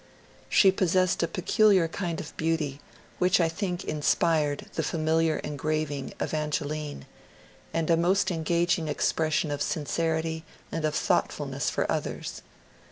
She possessed a peculiar kind of beauty, which I think inspired the familiar engraving ^^ Evangeline," and a most engaging expression of sincerity and of thoughtfulness for others.